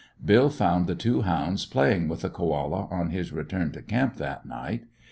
Bill found the two hounds playing with the koala on his return to camp that night.